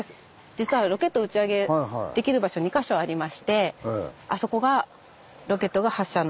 実はロケット打ち上げできる場所２か所ありましてあそこがロケットが発射の。